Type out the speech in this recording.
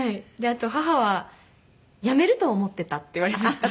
あと母は「やめると思ってた」って言われました。